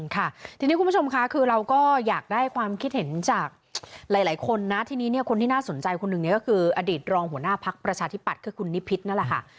ค่ะทีนี้คุณผู้ชมค่ะคือเราก็อยากได้ความคิดเห็นจากหลายคนนะทีนี้เนี่ยคนที่น่าสนใจคนหนึ่งเนี่ยก็คืออดีตรองหัวหน้าพักประชาธิปัตย์คือคุณนิพิษนั่นแหละค่ะ